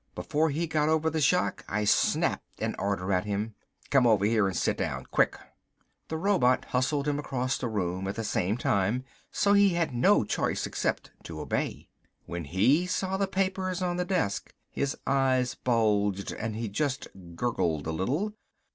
Before he got over the shock I snapped an order at him. "Come over here and sit down, quick!" The robot hustled him across the room at the same time, so he had no choice except to obey. When he saw the papers on the desk his eyes bulged and he just gurgled a little.